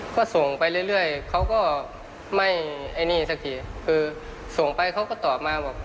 ก็ส่งไปเรื่อยเขาก็ไม่ไอ้นี่สักทีคือส่งไปเขาก็ตอบมาบอก